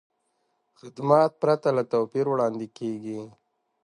خدمت پرته له توپیر وړاندې کېږي.